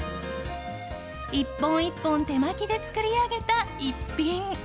１本１本手巻きで作り上げた逸品。